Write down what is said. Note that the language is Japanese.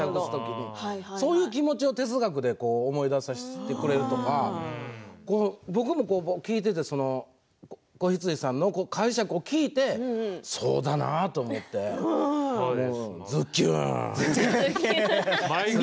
そういう気持ちを哲学が思い出させてくれるとか僕も聞いていて子羊さんの解釈を聞いてそうだなと思ってずっきゅーんです。